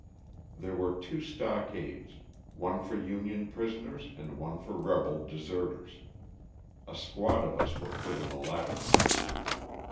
There were two stockades, one for Union prisoners and one for rebel deserters. A squad of us were put in the latter place.